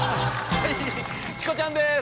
はいチコちゃんです。